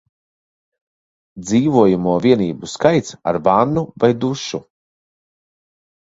Dzīvojamo vienību skaits ar vannu vai dušu